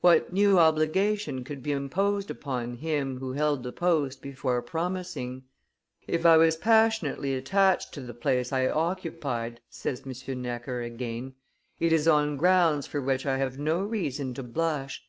What new obligation could be imposed upon him who held the post before promising?" "If I was passionately attached to the place I occupied," says M: Necker again, "it is on grounds for which I have no reason to blush.